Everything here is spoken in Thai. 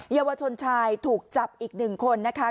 เยาวชนชายถูกจับอีกหนึ่งคนนะคะ